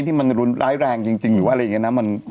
ถ้ามันร้ายแรงจริงหรือไรเรียงงี้นะ